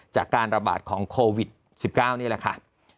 จากการระบาดของโควิด๑๙นี่แหละค่ะ